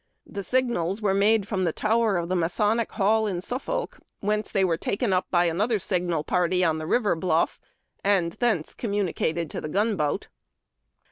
The sig nals were made from the tower of the Masonic Hall in Suffolk, whence they were taken np by another signal party on the river bluff, and thence communicated to the gunboat.